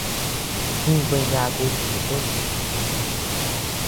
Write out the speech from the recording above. Jinkuee yaaku chete.